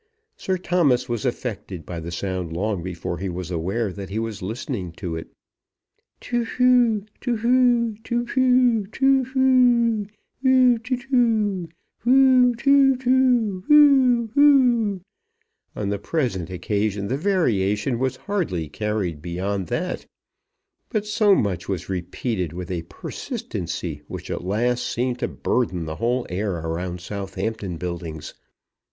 Sir Thomas was affected by the sound long before he was aware that he was listening to it. To whew, to whew; to whew, to whew; whew to to, whew to to, whew, to whew. On the present occasion the variation was hardly carried beyond that; but so much was repeated with a persistency which at last seemed to burden the whole air round Southampton Buildings.